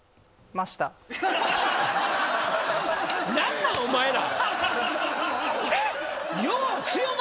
何なんお前ら！